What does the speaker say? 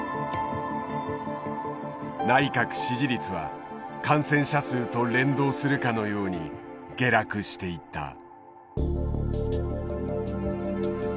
内閣支持率は感染者数と連動するかのように下落していった。